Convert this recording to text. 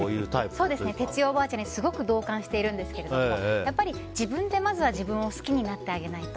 哲代おばあちゃんにすごく同感しているんですけどやっぱり自分で、まずは自分を好きになってあげないと。